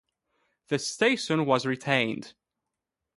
The station was retained.